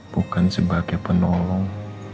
bukan sebagai penolong